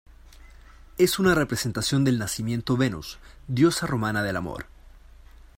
Es una representación del nacimiento Venus, diosa romana del amor.